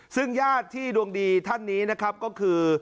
ซึ่งญาติที่ดวงดีท่านนี้นะครับก็คือ